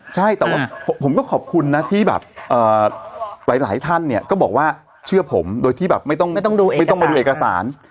ใช่แต่ว่าผมก็ขอบคุณนะที่แบบหลายท่านเนี่ยก็บอกว่าเชื่อผมโดยที่แบบไม่ต้องมาดูเอกสาร